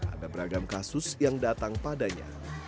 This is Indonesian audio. ada beragam kasus yang datang padanya